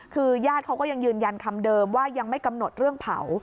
คือญาติเขาก็ยังยืนยันคำเดิมว่ายังไม่กำหนดเรื่องเผา